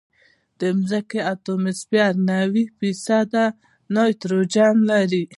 د ځمکې اتموسفیر نوي فیصده نایټروجن لري.